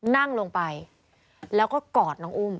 นั่งลงไปแล้วก็กอดน้องอุ้ม